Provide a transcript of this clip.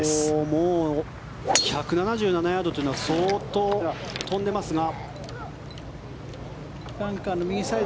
もう１７７ヤードというのは相当飛んでますが。